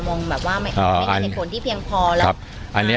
มองแบบว่าไม่อ่าไม่มีเหตุผลที่เพียงพอครับอันนี้